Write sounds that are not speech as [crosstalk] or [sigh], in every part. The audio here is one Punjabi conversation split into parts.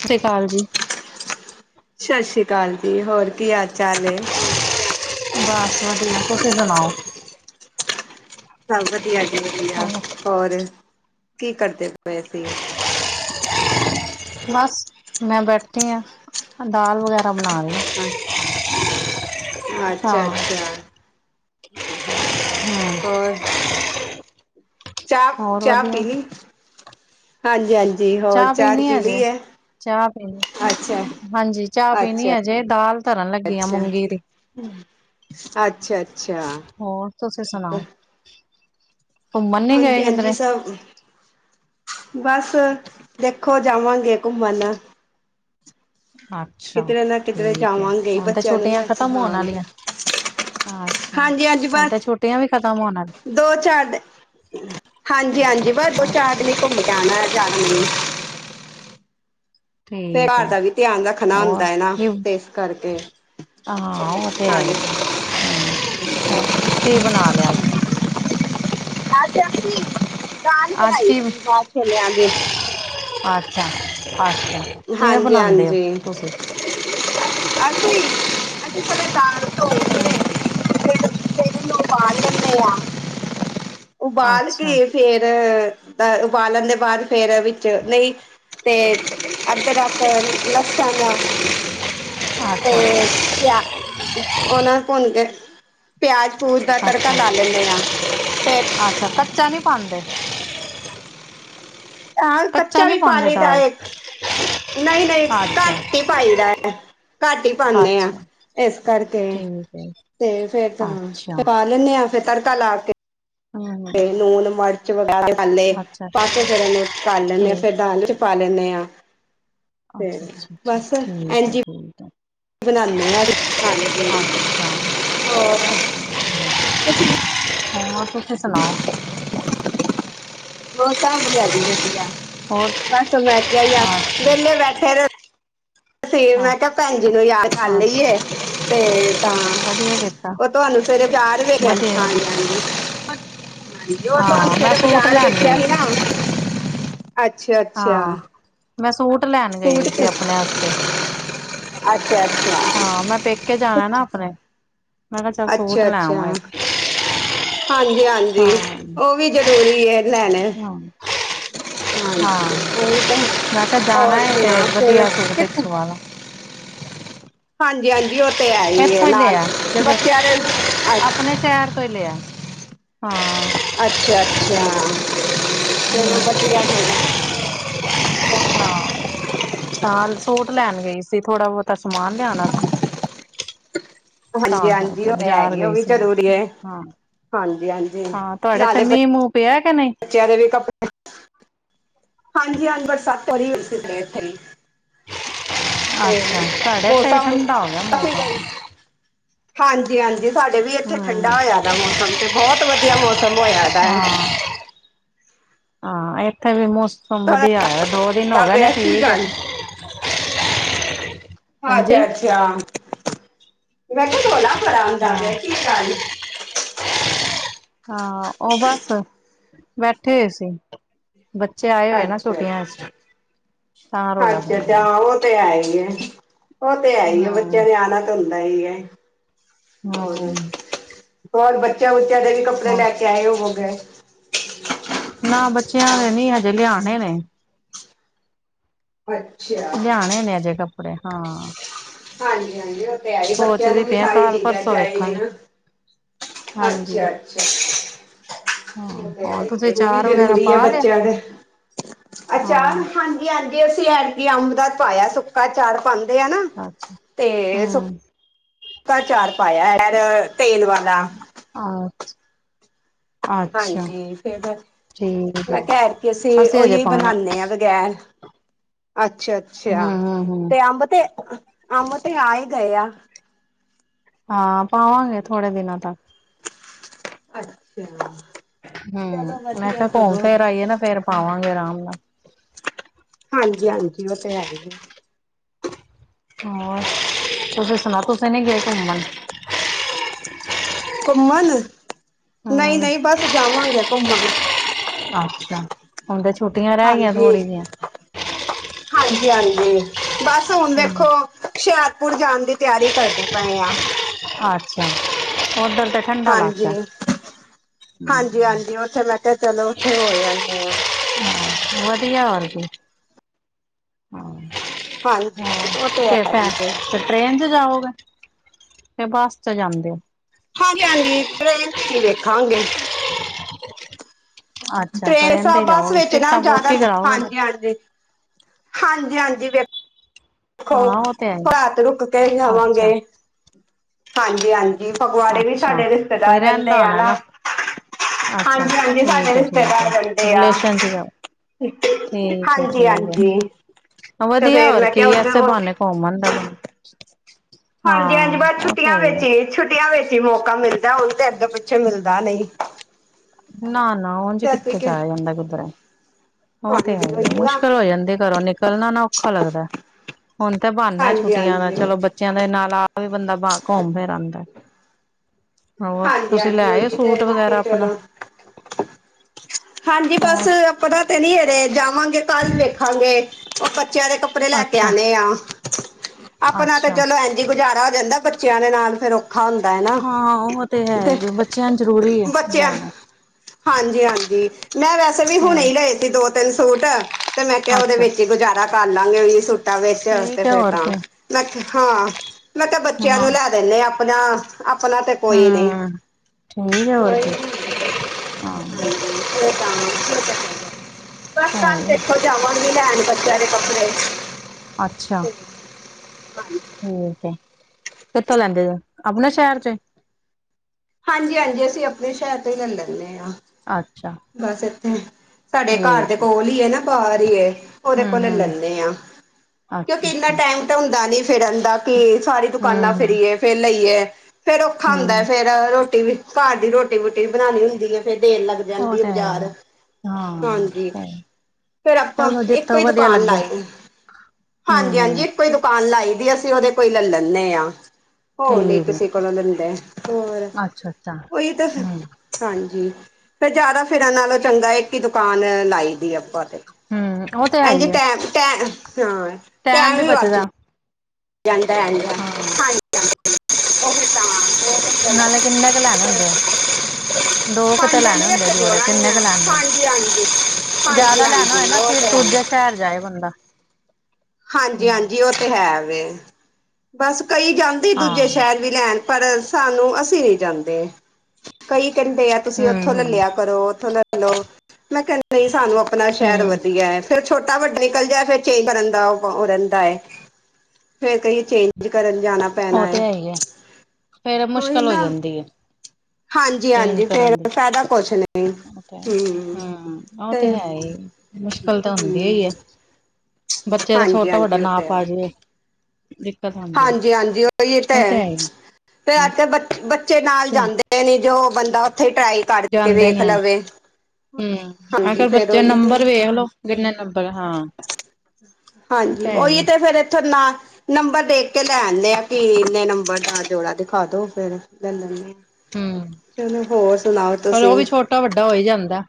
ਸਤਿ ਸ੍ਰੀ ਅਕਾਲ ਜੀ। ਸਤਿ ਸ੍ਰੀ ਅਕਾਲ ਜੀ ਹੋਰ ਕੀ ਹਾਲ ਚਾਲ ਏ। [inaudible] ਬਸ ਠੀਕ ਤੁਸੀਂ ਸੁਣਾਓ। [inaudible] ਸਭ ਵਧੀਆ ਜੀ ਵਧੀਆ ਹਾਂ ਹੋਰ ਕੀ ਕਰਦੇ ਪਏ ਸੀੇ। ਬਸ ਮੈਂ ਬੈਠੀ ਹਾਂ ਦਾਲ ਵਗੈਰਾ ਬਣਾ ਲ ਹਾਂਜੀ ਹਾਂ। ਅੱਛਾ। ਅੱਛਾ-ਅੱਛਾ ਹੂੰ ਹੋਰ ਚਾਹ ਹੋਰ -ਚਾਹ ਪੀ ਵਧੀਆ ਲਈ ਹਾਂਜੀ- ਹਾਂਜੀ ਹੋਰ ਚਾਹ ਪੀਣੀ ਹੈ ਪੀ ਹਜੇ? ਲਈ ਏ। ਚਾਹ ਪੀਣੀ ਹਾਂਜੀ ਚਾਹ ਪੀਣੀ ਅੱਛਾ। ਅਜੇ ਦਾਲ ਧਰਨ ਲੱਗੀ ਆ ਅੱਛਾ ਮੂੰਗੀ ਦੀ ਅੱਛਾ- ਅੱਛਾ ਹੋਰ ਤੁਸੀਂ ਸੁਣਾਓ ਘੁੰਮਣ ਨੀ ਗਏ ਹਾਂਜੀ- ਹਾਂਜੀ ਕਿਧਰੇ? ਸਭ ਬਸ ਦੇਖੋ ਜਾਵਾਂਗੇ ਘੁੰਮਣ ਅੱਛਾ ਕਿਧਰੇ ਨਾ ਕਿਧਰੇ ਠੀਕ ਹੈ ਜਾਵਾਂਗੇ ਹੁਣ ਤੇ ਬੱਚਿਆਂ ਨੂੰ ਛੁੱਟੀਆਂ ਲੈ ਕੇ ਖਤਮ ਹਾਂ ਹੋਣ ਆਲੀਆਂ ਅੱਛਾ ਹਾਂਜੀ ਹਾਂਜੀ ਹੁਣ ਤੇ ਬਸ ਛੁੱਟੀਆਂ ਵੀ ਖਤਮ ਹੋਣ ਆ ਦੋ ਚਾਰ ਹਾਂਜੀ-ਹਾਂਜੀ ਬਸ ਦੋ ਚਾਰ ਅੱਛਾ ਲਈ ਘੁੰਮਣ ਜਾਣਾ ਜਿਹਦਾ ਨਹੀਂ ਫੇਰ ਠੀਕ ਘਰ ਹੈ ਦਾ ਵੀ ਧਿਆਨ ਰੱਖਣਾ ਹੁੰਦਾ ਹੋਰ ਹੈ ਨਾ ਕੀ ਤੇ ਇਸ ਕਰਕੇ [inaudible] ਹਾਂ ਉਹ ਤੇ ਹੈ ਹਾਂਜੀ ਹੀ [inaudible] ਆ ਕੀ ਬਣਾ ਲਿਆ ਜੇ [inaudible] ਅੱਜ ਅਸੀਂ ਦਾਲ ਅੱਜ ਬਣਾਈ ਕੀ ਸੀ ਮਾਂਹ ਛੋਲਿਆਂ ਦੀ [inaudible] ਅੱਛਾ ਕਿਵੇਂ ਬਣਾਂਦੇ ਹੋ ਤੁਸੀਂ [inaudible] ਅਸੀਂ-ਅਸੀਂ ਪਹਿਲਾਂ ਦਾਲ ਧੋ ਹਾਂ [inaudible] ਫਿਰ ਇਹਨੂੰ ਉਬਾਲ ਲੈਣੇ ਆ ਉਬਾਲ ਅੱਛਾ ਕੇ ਫੇਰ ਉਬਾਲਣ ਦੇ ਬਾਅਦ ਫੇਰ ਵਿੱਚ ਨਹੀਂ ਤੇ [inaudible] ਅਦਰਕ, ਲੱਸਣ ਤੇ ਅੱਛਾ ਪਿਆ ਉਹਨਾਂ ਨੂੰ ਭੁੰਨ ਕੇ ਪਿਆਜ ਪੂਜ ਦਾ ਤੜਕਾ ਅੱਛਾ ਲਾ ਲੈਂਣੇ ਹਾਂ ਤੇ ਅੱਛਾ ਕੱਚਾ ਨਹੀਂ ਪਾਂਦੇ। ਆਹ ਕੱਚਾ ਨੀ ਵੀ ਪਾ ਪਾਉਂਦੇ ਲਈ ਦਾ ਦਾਲ ਹੈ ਚ ਨਹੀਂ- ਨਹੀਂ ਅੱਛਾ ਘੱਟ ਹੀ ਪਾਈ ਦਾ ਹੈ। ਘੱਟ ਹੀ ਪਾਣੇ ਹਾਂ ਅੱਛਾ ਇਸ ਕਰਕੇ ਠੀਕ ਹੈ ਤੇ ਫੇਰ ਅੱਛਾ ਤਾਂ ਲੈਂਣੇ ਆਂ ਫਿਰ ਤੜਕਾ ਲਾ ਕੇ ਹੂੰ-ਹੂੰ ਲੂਨ ਮਿਰਚ ਵ ਪੇ ਮਸਾਲੇ ਪਾ ਕੇ ਫਿਰ ਉਹਨੂੰ ਤਲ ਠੀਕ ਲੈਂਣੇ ਆਂ ਫੇਰ ਦਾਲ 'ਚ ਪਾ ਲੈਂਣੇ ਆਂ ਅੱਛਾ -ਅੱਛਾ -ਅੱਛਾ ਠੀਕ ਹੈ ਕੋਈ [inaudible] ਬਣਾਣੇ ਆ [inaudible] ਹਾਂਜੀ। ਅੱਛਾ ਹੋਰ ਤੁਸੀਂ [inaudible] ਹੋਰ ਤੁਸੀਂ ਸੁਣਾਓ। ਬਹੁ ਸਾਰੀ ਹੈ ਦੀ ਆ ਹੋਰ ਬਸ ਮੈਂ ਕਿਹਾ ਹੀ ਆ ਅੱਛਾ ਅੱਛਾ ਵਿਹਲੇ ਬੈਠੇ ਰੋ ਫੇਰ ਮੈਂ ਕਿਹਾ ਭੈਣ ਜੀ ਨੂੰ ਯਾਦ ਕਰ ਅੱਛਾ ਲਈਏ [inaudible] ਤੇ ਤਾਂ ਵਧੀਆ ਕੀਤਾ ਉਹ ਤੁਹਾਨੂੰ ਸਵੇਰੇ ਚਾਰ ਵੱਜੇ [inaudible] ਵਧੀਆ ਕੀਤਾ ਹਾਂਜੀ -ਹਾਂਜੀ। [inaudible] ਹਾਂਜੀ ਉਹ ਹਾਂ ਤੁਹਾਨੂੰ ਮੈਂ ਸੂਟ ਬਾਜ਼ਾਰ ਲੈਣ ਵੇਖਿਆ ਗਈ ਸੀ ਨਾ ਅੱਛਾ -ਅੱਛਾ ਹਾਂ ਮੈਂ ਸੂਟ ਲੈਣ ਸੂਟ ਗਈ ਸੀ ਤੇ ਆਪਣੇ ਆਸਤੇ ਅੱਛਾ ਅੱਛਾ ਹਾਂ ਮੈਂ ਪੇਕੇ ਜਾਣਾ ਨਾ ਆਪਣੇ ਮੈਂ ਕਿਹਾ ਚਲ ਸੂਟ ਅੱਛਾ ਲੈ ਅੱਛਾ ਆਂਵਾ ਇੱਕ ਹਾਂਜੀ- ਹਾਂ ਹਾਂਜੀ ਉਹ ਵੀ ਜ਼ਰੂਰੀ ਏ। ਹਾਂ। [inaudible] ਹਾਂਜੀ ਹਾਂ [unintelligible] ਤਾਂ ਮੈਂ ਕਿਹਾ ਹੋਰ ਜਾਣਾ ਏ ਤੇ ਸੁਣਾ ਫਣ ਵਧੀਆ ਸੂਟ ਇੱਕ ਕਿਥੇ ਸਵਾ ਲਾ [inaudible] ਹਾਂਜੀ- ਹਾਂਜੀ ਉਹ ਤੇ ਹੈ ਹੀ ਇੱਥੋਂ ਨਾਲ ਲਿਆ ਜਗ੍ਹਾ ਬੱਚਿਆਂ ਦੇ [inaudible] ਆਪਣੇ ਸ਼ਹਿਰ ਤੋਂ ਲਿਆ ਹਾਂ। ਅੱਛਾ, ਅੱਛਾ ਚਲ ਹਮ ਵਧੀਆ ਫਿਰ ਤਾਂ। ਹਾਂ ਤਾਂ ਸੂਟ ਲੈਣ ਗਈ ਸੀ ਥੋੜਾ ਬਹੁਤਾ ਸਮਾਨ ਲਿਆਣਾ ਸੀ। ਹਾਂਜੀ ਤਾਂ ਹਾਂਜੀ ਕਰਕੇ ਉਹ ਬਜ਼ਾਰ ਹੈਗੀ ਉਹ ਗਈ ਵੀ ਸੀ ਹਾਂ, ਜ਼ਰੂਰੀ ਹੈ ਹਾਂ। ਹਾਂਜੀ ਹਾਂਜੀ ਹਾਂ ਤੁਹਾਡੇ ਏਥੇ ਨਾਲੇ ਮੀਂਹ ਮੂੰਹ ਪਿਆ ਕਿ ਨਹੀਂ? ਬੱਚਿਆਂ ਦੇ ਵੀ ਕੱਪੜੇ [inaudible] ਹਾਂਜੀ-ਹਾਂਜੀ ਬਰਸਾਤ ਤੇ ਹੋਈ ਸੀ। ਇੱਥੇ ਹੀ ਤੇ ਅੱਛਾ ਹੁਣ, ਸਾਡੇ ਤੇ ਮੋਸਮ, ਠੰਡਾ ਹੋ ਗਿਆ ਕਾਫੀ ਮੌਸਮ ਬ ਹਾਂਜੀ- ਹਾਂਜੀ ਸਾਡੇ ਵੀ ਇੱਥੇ ਹਮ ਠੰਡਾ ਹੋਇਆ ਦਾ ਮੌਸਮ ਤੇ ਬਹੁਤ ਵਧੀਆ ਮੌਸਮ ਹੋਇਆ ਦਾ। ਹਾਂ ਇੱਥੇ ਵੀ ਮੌਸਮ ਤੁਹਾਡਾ ਵਧੀਆ ਦੋ ਦਿਨ ਹੋਗੇ ਨੇ ਪਿਆ ਕੀ ਠੀਕ ਐ ਗੱਲ ਹਾਂਜੀ ਅੱਛਾ- ਅੱਛਾ, ਮੈਂ ਕਿਹਾ ਰੋਲਾਂ ਬੜਾ ਆਂਦਾ ਹਾਂ ਪਿਆ ਕੀ ਗੱਲ? ਹਾਂ ਉਹ ਬਸ, ਬੈਠੇ ਸੀ। ਬੱਚੇ ਆਏ ਹੋਏ ਨਾ ਅੱਛਾ ਛੁੱਟੀਆਂ 'ਚ, ਤਾਂ ਅੱਛਾ ਰੌਲਾ ਪੈਂਦਾ ਅੱਛਾ ਵਾ। ਉਹ ਤੇ ਹੈ ਹੀ ਐ, ਉਹ ਤੇ ਹੈ ਹੀ ਐ ਬੱਚਿਆਂ ਹਮ ਨੇ ਆਣਾ ਤਾਂ ਹੁੰਦਾ ਹੀ ਐ। ਹੋਰ, ਹਮ ਹੋਰ ਬੱਚਿਆਂ ਬੂਚਿਆਂ ਦੇ ਵੀ ਕੱਪੜੇ ਲੈ ਕੇ ਆਏ ਹੋਵੋਗੇ। ਨਾ ਬੱਚਿਆਂ ਦੇ ਨੀ ਹਜੇ ਲਿਆਣੇ ਨੇ। ਅੱਛਾ ਲਿਆਣੇ ਨੇ ਅਜੇ ਕੱਪੜੇ, ਹਾਂ। ਹਾਂਜੀ-ਹਾਂਜੀ, ਉਹ ਤੇ ਹੈਈ ਬੱਚਿਆਂ ਸੋਚਦੀ ਨੂੰ ਵੀ ਪਈ ਆ ਸਾਰੀਆਂ ਕੱਲ ਚੀਜ਼ਾਂ ਪਰਸੋਂ ਵੇਖਾਂਗੇ ਚਾਹੀਦੀਆਂ। ਹਾਂਜੀ ਅੱਛਾ। ਹਾਂ ਹੋਰ ਤੁਸੀਂ ਉਹ ਵੀ ਅਚਾਰ ਵਗੈਰਾ ਜ਼ਰੂਰੀ ਹੈ ਪਾ ਲਿਆ ਬੱਚਿਆਂ ਦੇ ਅਚਾਰ ਹਾਂ ਹਾਂਜੀ। ਹਾਂਜੀ ਅਸੀਂ ਐਤਕੀ ਅੰਬ ਦਾ ਪਾਇਆ ਸੁੱਕਾ ਚਾਾਰ ਪਾਉਂਦੇ ਹਨਾ ਅੱਛਾ ਤੇ ਸੁ। ਹੂੰ ਸੁੱਕਾ ਅਚਾਰ ਪਾਇਆ ਤ ਐਤਕੀ ਤੇਲ ਵਾਲਾ। ਅੱਛਾ। ਹਾਂਜੀ, ਫਿਰ, ਠੀਕ ਮੈਂ ਹੈ ਕਿਹਾ ਐਤਕੀ ਅਸੀਂ ਹਜੇ ਉਹੀ ਪਾਉਣਾ ਬਣਾਉਦੇ ਹਾਂ। ਬਗੈਰ ਹੂੰ ਅੱਛਾ-ਅੱਛਾ, ਹੂੰ ਹੂੰ ਤੇ ਅੰਬ ਤੇ, ਅੰਬ ਤੇ ਆ ਹੀ ਗਏ ਆ। ਹਾਂ ਪਾਵਾਂਗੇ ਥੋੜੇ ਦਿਨਾਂ ਤੱਕ। ਅੱਛਾ। ਹੂੰ, ਚਲੋ ਮੈਂ ਵਧੀਆ ਕਿਹਾ ਘੁੰਮ ਸਗੋਂ। ਫਿਰ ਆਈਏ ਨਾ ਫੇਰ ਪਾਵਾਂਗੇ ਆਰਾਮ ਨਾਲ। ਹਾਂਜੀ- ਹਾਂਜੀ ਉਹ ਤੇ ਹੈ। ਹੋਰ, ਤੁਸੀਂ ਸੁਣਾਉ ਤੁਸੀਂ ਨੀ ਗਏ ਘੁੰਮਣ। ਘੁੰਮਣ, ਨਹੀਂ ਹੂੰ ਗਈ ਬਸ ਜਾਵਾਂਗੇ ਘੁੰਮਣ। ਅੱਛਾ, ਹੁਣ ਤੇ ਛੁੱਟੀਆਂ ਰਹਿ ਗਈਆਂ ਥੋੜ੍ਹੀ ਜਿਹੀਆਂ। ਹਾਂਜੀ-ਹਾਂਜੀ, ਬਸ ਹੁਣ ਹਮ ਦੇਖੋ ਹੁਸ਼ਿਆਰਪੁਰ ਜਾਣ ਦੀ। ਤਿਆਰੀ ਕਰਦੇ ਪਏ ਆ। ਅੱਛਾ, ਓਧਰ ਤੇ ਠੰਡਾ ਇਲਾਕਾ ਐ। ਹਾਂਜੀ-ਹਾਂਜੀ, ਉੱਥੇ ਮੈਂ ਕਿਹਾ ਚਲੋ ਉੱਥੇ ਹੋ ਆਂਦੇ ਆ। ਕੀ ਹਾਲ ਏ ਜੀ? ਹਾਂਜੀ ਹਾਂ, ਉਹ ਤੇ ਫਿਰ ਹੈ ਹੀ ਭੈਣ ਹੈ ਜੀ। ਟ੍ਰੇਨ 'ਚ ਜਾਓਗੇ, ਤੇ ਬੱਸ 'ਚ ਜਾਂਦੇ ਓ? ਹਾਂਜੀ-ਹਾਂਜੀ, ਟ੍ਰੇਨ 'ਚ ਹੀ ਵੇਖਾਂਗੇ। ਹ [inaudible] ਟ੍ਰੇਨਸ ਬਸ ਵਿੱਚ ਨਾ ਟਿਕਟਾਂ ਬੁੱਕ ਜ਼ਿਆਦਾ ਹੀ ਕਰਾਓਗੇ ਫਿਰ ਹਾਂਜੀ-ਹਾਂਜੀ, ਹਾਂਜੀ-ਹਾਂਜੀ। ਦੇਖੋ, ਹਾਂ ਉਹ ਤੇ ਹੈ ਹੀ ਰਾਤ ਰੁਕ ਕੇ ਅੱਛਾ ਜਾਵਾਂਗੇ, ਹਾਂਜੀ-ਹਾਂਜੀ। ਜੀ ਫਗਵਾੜੇ ਵੀ ਅੱਛਾ ਸਾਡੇ ਕੋਈ ਰਿਸ਼ਤੇਦਾਰ ਰਹਿੰਦਾ ਰਹਿੰਦੇ ਆ ਹੋਣਾ ਨਾ। ਅੱਛਾ ਹਾਂਜੀ-ਹਾਂਜੀ, ਸਾਡੇ ਠੀਕ ਹੈ ਠੀਕ ਹੈ ਰਿਸ਼ਤੇਦਾਰ ਰਹਿੰਦੇ ਆ। ਰਿਲੇਸ਼ਨ ਚ ਜਾਓ ਠੀਕ ਹੈ ਠੀਕ ਹਾਂਜੀ-ਹਾਂਜੀ, ਹੈ ਤੇ ਵਧੀਆ ਫੇਰ ਹੋਰ ਮੈਂ ਕਿਹਾ ਕੀ ਐਸੇ ਉਧਰ ਬਾਨੇ ਘੁੰਮ ਆਂਦਾ ਬੰਦਾ। ਹਾਂਜੀ-ਹਾਂਜੀ, ਹਾਂ ਬਸ ਉਹ ਤੇ ਛੁੱਟੀਆਂ ਹੈ ਵਿੱਚ ਹੈ ਹੀ। ਛੁਟ ਛੁਟੀਆਂ ਵਿੱਚ ਹੀ ਮੌਕਾ ਮਿਲਦਾ ਉਝ ਤੇ ਅੱਗੇੋਂ ਪਿੱਛੇ ਮਿਲਦਾ ਨਹੀਂ। ਨਾ-ਨਾ, ਉੰਝ ਤੇ ਅਸੀਂ ਕਿੱਥੇ ਕਿ ਜਾਇਆ ਜਾਂਦਾ, ਕਿੱਧਰੇ, ਉਹ ਤੇ ਹੈ ਹਾਂਜੀ ਈ ਏ ਉਹੀ ਨਾ ਮੁਸ਼ਕਿਲ ਹੋ ਜਾਂਦੀ, ਘਰੋਂ ਨਿਕਲਣਾ ਨਾ, ਔਖਾ ਲੱਗਦਾ ਹੁਣ ਤਾਂ ਬਹਾਨਾ ਹਾਂਜੀ ਛੁੱਟੀਆਂ ਦਾ ਹਾਂਜੀ ਚਲੋ ਬੱ ਬੱਚਿਆਂ ਦੇ ਨਾਲ, ਆਪ ਵੀ ਬੰਦਾ ਬਾਹਰ ਘੁੰਮ ਫਿਰ ਆਂਦਾ। ਹੋਰ ਹਾਂਜੀ ਤੁਸੀਂ, ਲੈ ਹਾਂਜੀ ਆਏ ਓ ਉਹੀ ਸੂਟ, ਤੇ ਮੈਂ ਵਗੈਰਾ ਕਿਹਾ ਆਪਣਾ? ਚਲੋ ਹਾਂਜੀ, ਬਸ ਹੋਰ ਆਪਣਾ ਤੇ, ਨਹੀਂ ਅਜੇ ਜਾਵਾਂਗੇ। ਕੱਲ ਵੇਖਾਂਗੇ, ਉਹ ਬੱਚਿਆਂ ਦੇ ਕੱਪੜੇ ਲੈ ਕੇ, ਅੱਛਾ ਆਉਣੇ ਆ। ਆਪਣਾ ਤੇ ਅੱਛਾ ਚਲੋ, ਐਂਝ ਈ ਗੁਜ਼ਾਰਾ ਹੋ ਜਾਂਦਾ, ਬੱਚਿਆਂ ਦੇ ਨਾਲ ਫੇਰ ਔਖਾ ਹੁੰਦਾ ਹੈ ਨਾ, ਹਾਂ ਉਹ ਹੈ ਤੇ ਹੀ ਬੱਚਿਆਂ ਨੂੰ ਜ਼ਰੂਰੀ ਹੈ ਬੱਚਿਆਂ ਲਿਆਣੇ ਹਾਂਜੀ- ਹਾਂਜੀ, ਮੈਂ ਵੈਸੇ ਵੀ ਹੁਣੇ ਹੀ ਲਏ ਸੀ ਦੋ, ਤਿੰਨ ਸੂਟ। ਤੇ, ਮੈਂ ਕਿਹਾ, ਉਹਦੇ ਅੱਛਾ ਵਿੱਚ ਹੀ ਗੁਜ਼ਾਰਾ ਕਰ ਲਾਂਗੇ, ਉਹੀ ਸੂਟਾਂ ਵਿੱਚ, ਤੇ ਠੀਕ ਹੈ ਫਿਰ ਹੋਰ ਤਾਂ, ਕੀ ਮੈਂ, ਕ, ਹਾਂ ਮੈਂ ਕਿਹਾ, ਬੱਚਿਆਂ ਹਾਂ ਨੂੰ ਲੈ ਦੇਨੇ ਆ, ਆਪਣਾ, ਆਪਣਾ ਤੇ ਕੋਈ ਨਹੀਂ ਹਮ, ਠੀਕ ਆ, ਹੋਰ ਫ਼ਿਰ ਹਾਂ। ਏ, ਕੰਮ ਏ, ਠੀਕ ਆ। ਹੈ, ਈ ਹੈ। ਜਾਵਾਂਗੀ, ਲੈਣ ਬੱਚਿਆਂ ਦੇ ਕੱਪੜੇ। ਅੱਛਾ। [inaudible] ਠੀਕ ਹੈ, ਕਿੱਥੋਂ ਲੈਂਦੇ ਓ? ਆਪਣੇ ਸ਼ਹਿਰ ਚੋਂ ਈ। ਹਾਂਜੀ- ਹਾਂਜੀ, ਅਸੀਂ ਆਪਣੇ ਸ਼ਹਿਰ ਤੋਂ ਹੀ, ਲੈ ਲੈਂਦੇ ਹਾਂ। ਅੱਛਾ ਬਸ ਇੱਥੋਂ, ਸਾਡੇ ਘਰ ਦੇ ਠੀਕ ਕੋਲ ਈ ਨਾ, ਬਾਹਰ ਹੀ ਏ ਉਹਦੇ ਹਮ ਕੋਲੋ ਹਮ ਲੈਂਦੇ ਆ, ਅੱਛਾ ਕਿਉਂਕਿ ਇੰਨਾ ਅੱਛਾ ਟਾਈਮ ਤਾਂ ਹੁੰਦਾ ਨੀ, ਫਿਰਨ ਦਾ ਕਿ ਸਾਰੀ ਦੁਕਾਨਾਂ ਹਮ ਹਮ ਫਿਰੀਏ ਫੇਰ ਲਈਏ, ਫੇਰ ਔਖਾ ਹੁੰਦਾ ਹਮ ਫੇਰ ਰੋਟੀ ਵੀ, ਘਰ ਦੀ ਰੋਟੀ -ਰੂਟੀ ਵੀ ਬਣਾਉਣੀ ਹੁੰਦੀ ਐ, ਫੇਰ ਦੇਰ ਲੱਗਦੀ ਉਹ ਜਾਂਦੀ ਐ ਤੇ ਹੈ ਬਜ਼ਾਰ, ਹੀ ਹਾਂਜੀ। ਹਾਂ ਫੇਰ, ਆਪਾਂ ਚਲੋ ਇੱਕੋ ਜਿੱਥੋਂ ਈ ਵਧੀਆ ਦੁਕਾਨ ਲੱਗੇ ਲਾਈ ਏ। ਹਮ- ਹਮ। ਇਕੋ ਹੀ ਦੁਕਾਨ ਲਾਈ ਦੀ, ਅਸੀਂ ਉਹਦੇ ਕੋਈ ਲੈ ਲੈਂਦੇ ਹਾਂ, ਹੋਰ ਨਹੀਂ ਠੀਕ ਹੈ ਕਿਸੇ ਕੋਲੋਂ ਲੈਂਦੇ। ਹੋਰ, ਅੱਛਾ ਅੱਛਾ ਉਹੀ ਤਾਂ ਫਿਰ ਹਮ ਹਾਂਜੀ, ਫਿਰ ਜ਼ਿਆਦਾ ਫਿਰਨ ਨਾਲੋਂ ਚੰਗਾ ਇੱਕ ਹੀ, ਦੁਕਾਨ ਲਾਈ ਦੀ ਆਪਾਂ ਤੇ ਹਮ ਉਹ ਤੇ ਹੈ ਇੰਝ ਹੀ ਹੈ ਟੈਮ, ਟੈਮ ਹਾਂ ਟੈਮ ਵੀ ਵਧ ਹਾਂ [inaudible] ਨਾਲੇ, ਚਲੋ ਕਿੰਨੇ ਕੁ ਲੈਣੇ ਹੁੰਦੇ? ਦੋ ਕੁ, ਤੇ ਪੰਜ ਲੈਣੇ ਨਹੀਂ ਇੱਕ ਹੁੰਦੇ ਜੋੜੇ, ਜੋੜਾਂਗੇ ਕਿੰਨੇ ਕੁ ਲੈਣੇ ਨੇ? ਹਾਂਜੀ ਹਾਂਜੀ ਹਾਂਜੀ ਜਿਆਦਾ ਲੈਣਾ ਹੋਏ ਹਾਂਜੀ ਨਾ, ਉਹ ਤੇ ਫਿਰ ਦੂਜੇ ਹੈ ਸ਼ਹਿਰ ਜਾਏ ਬੰਦਾ। ਹਾਂਜੀ ਹਮ -ਹਾਂਜੀ, ਉਹ ਤੇ ਹੈ ਵੈ, ਬਸ ਕਈ ਜਾਂਦੇ ਈ ਦੂਜੇ ਹਾਂ ਸ਼ਹਿਰ ਵੀ ਲੈਣ, ਪਰ ਸਾਨੂੰ, ਅਸੀਂ ਨੀ ਜਾਂਦੇ, ਕਈ ਕਹਿੰਦੇ ਆ ਤੁਸੀਂ ਉੱਥੋਂ ਹਮ ਲੈ ਹਮ ਲਿਆ ਕਰੋ, ਉੱਥੋਂ ਲੈ ਲਉ, ਮੈਂ ਕਿਹਾ ਨਹੀਂ ਸਾਨੂੰ, ਆਪਣਾ ਸ਼ਹਿਰ ਹਮ ਵਧੀਆ ਹੈ। ਫੇਰ, ਛੋਟਾ- ਵੱਡਾ, ਨਿਕਲ ਜਾਏ, ਫੇਰ ਚੇਂਜ ਕਰਨ ਦਾ ਉਹ ਰਹਿੰਦਾ ਹੈ। ਫੇਰ ਕਹੀਏ ਚੇਂਜ ਕਰਨ ਜਾਣਾ, ਪੈਣਾ ਉਹ ਤੇ ਹੈ, ਹੀ ਫੇਰ ਉਹੀ ਮੁਸ਼ਕਿਲ ਹੋ ਨਾ। ਜਾਂਦੀ ਹੈ ਹਾਂਜੀ- ਚੇਂਜ ਹਾਂਜੀ ਫੇਰ, ਕਰਨ ਦੀ ਫਾਇਦਾ ਕੁਛ ਨਹੀਂ, ਉਹ ਤੇ ਹੈ ਹਮ ਉਹ ਤੇ ਫੇਰ? ਹੈ ਹੀ ਮੁਸ਼ਕਿਲ ਤਾਂ ਹੁੰਦੀ ਹੀ ਹਮਮ। ਹੈ ਬੱਚੇ ਦਾ, ਛੋਟਾ -ਵੱਡਾ ਨਾਪ ਆ ਜਵੇ, ਦਿੱਕਤ ਆਉਂਦੀ ਐ। ਹਾਂਜੀ ਹਾਂਜੀ ਉਹੀ ਹੀ ਤਾਂ ਹੈ, ਫੇਰ ਅੱਜ ਹੀ -ਕੱਲ ਬੱਚ, ਬੱਚੇ ਨਾਲ ਜਾਂਦੇ ਨੀ ਜੋ ਬੰਦਾ ਉੱਥੇ ਟਰਾਈ ਕਰ ਕੇ, ਜਾਂਦੇ ਵੇਖ ਨੇ ਲਵੇ। ਹਮ, ਔਰ ਹਾਂਜੀ ਫੇਰ ਬੱਚੇ ਉਹੀ ਨੰਬਰ ਵੇਖ ਲਓ, ਕਿੰਨਾ ਨੰਬਰ? ਹਾਂ ਉਹ ਤੇ ਹਾਂਜੀ, ਹੈ ਉਹੀ ਹੀ ਤੇ ਫੇਰ, ਇੱਥੋਂ ਨਾ ਨੰਬਰ ਦੇਖ ਕੇ ਲੈ ਆਂਦੇ ਆ, ਕਿ ਇੰਨੇ ਨੰਬਰ ਦਾ ਜੋੜਾ ਦਿਖਾ ਦੋ, ਫੇਰ ਲੈ ਲੈਂਦੇ ਆ। ਹੂੰ, ਚਲੋ, ਹੋਰ ਸੁਣਾਓ ਪਰ ਉਹ ਤੁਸੀਂ? ਵੀ ਛੋਟਾ -ਵੱਡਾ, ਹੋ ਹੀ ਜਾਂਦਾ।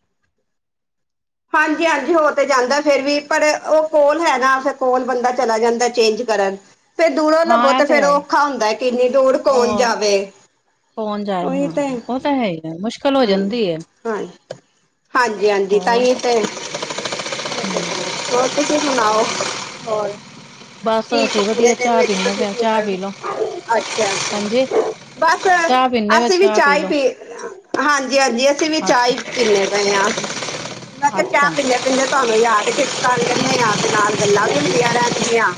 ਹਾਂਜੀ-ਹਾਂਜੀ ਹੋ ਤੇ ਜਾਂਦਾ ਫੇਰ ਵੀ, ਪਰ ਉਹ ਕੋਲ ਹੈਗਾ ਫਿਰ ਕੋਲ ਬੰਦਾ ਚਲਾ ਜਾਂਦਾ ਚੇਂਜ। ਕਰਨ, ਫਰ ਦੂਰੋਂ ਲਵੋ ਹਾਂ, ਇਹ ਤੇ ਫੇਰ ਹੈ ਉਹ ਹੀ। ਔਖਾ ਹੁੰਦਾ ਹੈ ਕਿ ਇੰਨੀ ਦੂਰ ਕੌਣ ਜਾਵੇ। ਕੋਣ ਜਾਏ ਉਹੀ ਹੁਣ ਤੇ ਉਹ ਤਾਂ ਹੈ ਹੀ ਆ ਮੁਸ਼ ਹਾਂਜੀ ਹਾਂਜੀ ਹਾਂਜੀ-ਹਾਂਜੀ ਤਾਂਹੀ ਤੇ ਹਾਂ। ਹੋਰ ਤੁਸੀਂ ਸੁਣਾਓ ਹੋਰ? [unintelligible] ਬਸ ਤੁਸੀ ਅਸੀਂ ਕੀ ਵਧੀਆ ਚਾਹ ਕਰ ਪੀਂਨੇ ਪਏ ਆ, ਚਾਹ ਪੀ ਲਓ। [unintelligible] ਅੱਛਾ-ਅੱਛਾ ਹਾਂਜੀ, ਬਸ ਚਾਹ ਪੀਂਨੇ ਪਏ, ਅਸੀਂ ਵੀ ਚਾਹ ਲਓ। ਪੀ ਰ ਆ ਹਾਂਜੀ-ਹਾਂਜੀ, ਅਸੀਂ ਵੀ ਚਾਹ ਅੱਛਾ, ਹੀ ਪੀਨੇ ਪਏ ਹਾਂ ਮੈਂ ਕਿਹਾ ਚਾਹ ਅੱਛਾ, ਪੀਨੇ ਆ ਕਹਿੰਨੇ ਤੂਹਾਨੂੰ ਯਾਦ ਕੀਤਾ ਕਹਿੰਦੇ ਨਾਲਦੇ ਨਾਲ ਗੱਲਾਂ ਵੀ ਹੁੰਦੀਆਂ ਰਹਿਣਗੀਆ।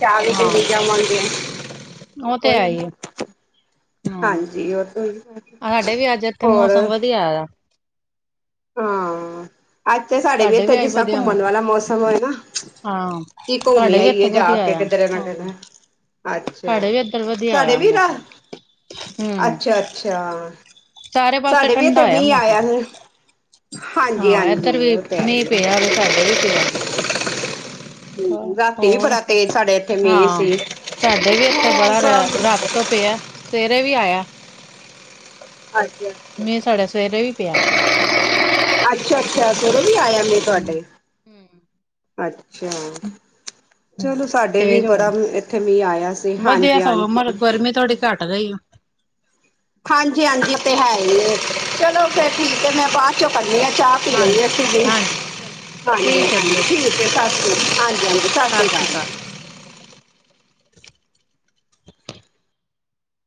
ਚਾਹ ਵੀ ਹਾਂ, ਪੀਬੀ ਜਾਵਾਂਗੇ। ਉਹ ਤੇ ਹੈ ਕੋਈ ਹੀ ਨਾ ਏ। ਹਾਂ, ਹਾਂਜੀ ਉਹ ਤੋਂ ਹੈ ਈ ਆ। ਸਾਡੇ ਵੀ ਅੱਜ ਇੱਥੇ ਹੋਰ? [unintelligible] ਹਾਂ, ਅੱਜ ਤੇ ਸਾਡੇ ਵੀ ਇੱਥੇ ਅੱਜ ਜਿਸ ਤਾਂ ਵਧੀਆ ਵਾ। ਘੁੰਮਣ ਵਾਲਾ ਮੌਸਮ ਹੋਏ ਨਾ ਹਾਂ, ਕੀ ਘੁੰਮ ਈ ਸਾਡੇ ਵੀ ਆਈਏ ਇੱਥੇ ਜਾ ਵਧੀਆ ਕੇ ਹੋਇਆ, ਕਿਧਰੇ ਨਾ ਹਾਂ। ਕਿਧਰੇ ਅੱਛਾ ਸਾਡੇ ਵੀ ਇੱਧਰ ਵਧੀਆ ਸਾਡੇ ਹੋਇਆ ਵੀ ਰਾ, ਮੌਸਮ, ਹੂੰ, ਅੱਛਾ-ਅੱਛਾ। ਸਾਰੇ ਪਾਸੇ ਸਾਡੇ ਵੀ ਠੰਡਾ ਇਥੇ ਹੋਇਆ ਮੀਂਹ ਮੌਸਮ। ਆਇਆ ਹੀ। ਹਾਂ ਹਾਂਜੀ-ਹਾਂਜੀ ਇੱਧਰ ਵੀ ਉਹ ਤੇ ਹੈ ਮੀਂਹ ਈ ਆ। ਪਿਆ ਵੇ ਸਾਡੇ ਵੀ ਪਿਆ। ਹੂੰ, ਰਾਤੀ ਵੀ ਹੋਰ ਬੜਾ ਤੇਜ਼ ਸਾਡੇ ਇੱਥੇ ਮੀਂਹ ਹਾਂ ਸੀ। ਸਾਡੇ ਵੀ ਇੱਥੇ ਹਾਂ ਬੜਾ ਰੇਆ ਸਭ ਰਾਤ ਤੋਂ ਪਿਆ, ਸਵੇਰੇ ਵੀ ਆਇਆ। ਹਾਂਜੀ-ਹਾਂਜੀ ਮੀਹ ਸਾਡੇ ਸਵੇਰੇ ਵੀ ਪਿਆ। ਅੱਛਾ-ਅੱਛਾ ਸਵੇਰੇ ਵੀ ਆਇਆ ਮੀਂਹ ਤੁਹਾਡੇ। ਹੂੰ ਅੱਛਾ। ਚਲੋ ਸਾਡੇ ਵੀ ਤੇਜ਼ ਬੜਾ ਮ ਹੋਇਆ ਇੱਥੇ ਮੀ ਆਇਆ ਸੀ ਹਾਂਜੀ -ਹਾਂਜੀ। ਦਿਨ ਮੈ ਤੁਹਾਡੇ ਘੱਟਦਾ ਈ ਆ। ਹਾਂਜੀ-ਹਾਂਜੀ ਤੇ ਹੈ ਈ ਏ। ਚਲੋ ਫੇਰ ਠੀਕ ਹੈ ਮੈਂ ਬਾ ਚੋਂ ਕਰਨੀ ਆਾਂ ਚਾਹ ਹਾਂਜੀ ਹਾਂਜੀ ਚਲੋ ਠੀਕ ਹੈ ਜੀ ਓਕੇ [inaudible] ਸਤਿ ਸ਼੍ਰੀ ਅਕਾਲ। [inaudible]